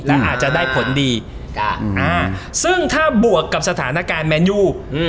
และอาจจะได้ผลดีซึ่งถ้าบวกกับสถานการณ์แมนยู